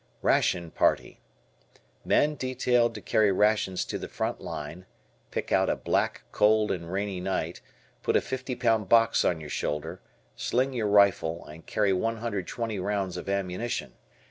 Ration Party. Men detailed to carry rations to the front line; pick out a black, cold, and rainy night; put a fifty pound box on your shoulder; sling your rifle and carry one hundred twenty rounds of ammunition.